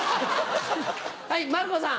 はい馬るこさん。